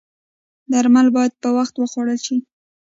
درمل باید په وخت وخوړل شي